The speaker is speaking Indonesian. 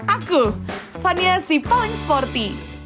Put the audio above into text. aku fania si paling sporty